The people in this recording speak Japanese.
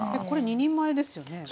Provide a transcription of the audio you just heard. これ２人前ですよね？